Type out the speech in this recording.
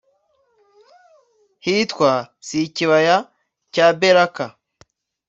hitwa s ikibaya cya beraka